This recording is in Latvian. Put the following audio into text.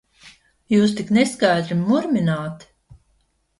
Jūs tik neskaidri murmināt!